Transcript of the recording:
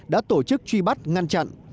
đã tổ chức truy bắt ngăn chặn